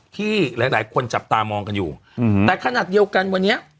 ที่หลายหลายคนจับตามองกันอยู่แต่ขนาดเดียวกันวันนี้